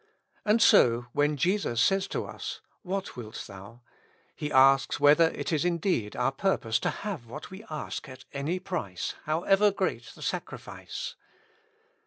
And so, when Jesus says to us, "What wilt thou?" He asks whether it is indeed our purpose to have what we ask at any price, how ever great the sacrifice.